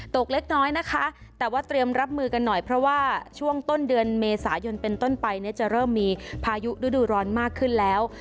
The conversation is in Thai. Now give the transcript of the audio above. เล็กน้อยนะคะแต่ว่าเตรียมรับมือกันหน่อยเพราะว่าช่วงต้นเดือนเมษายนเป็นต้นไปเนี่ยจะเริ่มมีพายุฤดูร้อนมากขึ้นแล้ว